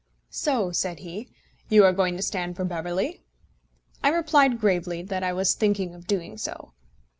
"So," said he, "you are going to stand for Beverley?" I replied gravely that I was thinking of doing so.